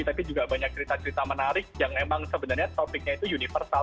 tapi juga banyak cerita cerita menarik yang emang sebenarnya topiknya itu universal